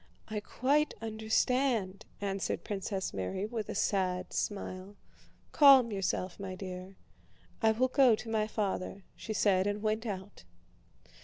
"I quite understand," answered Princess Mary, with a sad smile. "Calm yourself, my dear. I will go to my father," she said, and went out.